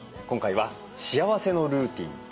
今回は「幸せのルーティン」